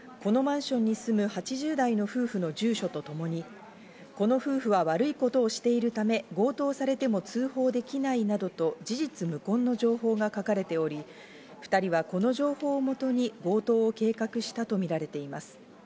闇サイトには、このマンションに住む８０代の夫婦の住所とともにこの夫婦は悪いことをしているため強盗されても通報できないなどと事実無根の情報が書かれており、２人はこの情報をもとに強盗を計画したとみられています。